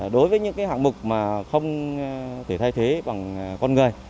đối với những hạng mục mà không thể thay thế bằng con người